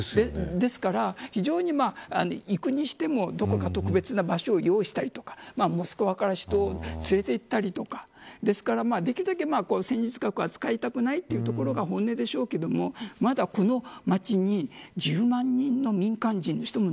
ですから、非常に行くにしてもどこか特別な場所を用意したりモスクワから人を連れて行ったりとかですから、できるだけ戦術核は使いたくないというところが本音でしょうけれどもまだこの町に１０万人の民間人も